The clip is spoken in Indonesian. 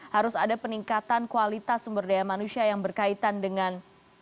harus ada peningkatan kualitas sumber daya manusia yang berkaitan dengan